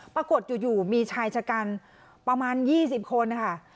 ปรากฏอยู่มีชายชะกัประมาณยี่สิบคนค่ะ